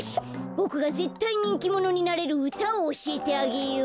ぼくがぜったいにんきものになれるうたをおしえてあげよう！